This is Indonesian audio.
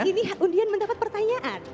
ini undian mendapat pertanyaan